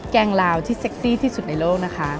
แกงลาวที่เซ็กซี่ที่สุดในโลกนะคะ